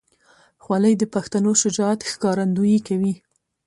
خولۍ د پښتنو شجاعت ښکارندویي کوي.